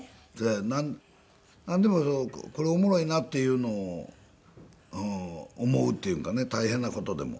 なんでもこれおもろいなっていうのを思うっていうかね大変な事でも。